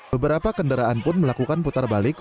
beberapa kendaraan pun melakukan putar balik